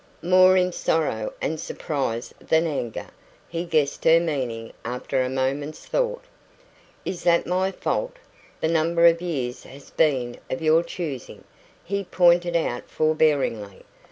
More in sorrow and surprise than in anger, he guessed her meaning after a moment's thought. "Is that my fault? The number of years has been of your choosing," he pointed out forbearingly.